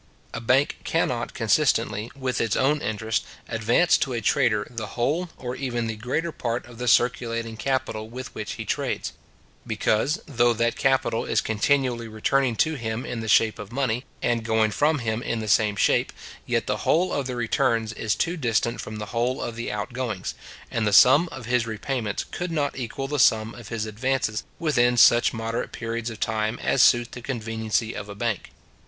A bank cannot, consistently with its own interest, advance to a trader the whole, or even the greater part of the circulating capital with which he trades; because, though that capital is continually returning to him in the shape of money, and going from him in the same shape, yet the whole of the returns is too distant from the whole of the outgoings, and the sum of his repayments could not equal the sum of his advances within such moderate periods of time as suit the conveniency of a bank.